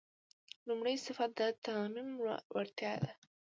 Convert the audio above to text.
لومړی صفت د تعمیم وړتیا ده.